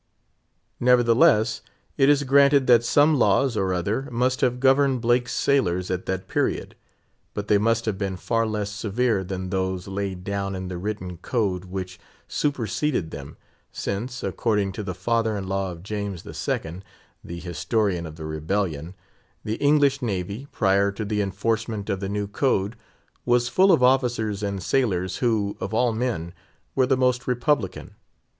Nevertheless, it is granted that some laws or other must have governed Blake's sailors at that period; but they must have been far less severe than those laid down in the written code which superseded them, since, according to the father in law of James II., the Historian of the Rebellion, the English Navy, prior to the enforcement of the new code, was full of officers and sailors who, of all men, were the most republican.